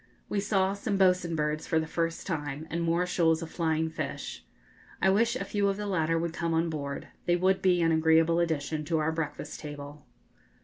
We saw some 'bo's'n' birds for the first time, and more shoals of flying fish. I wish a few of the latter would come on board; they would be an agreeable addition to our breakfast table.